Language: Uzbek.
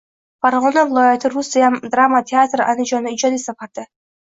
Farg‘ona viloyati rus drama teatri andijonda ijodiy safarda